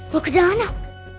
wah ke danau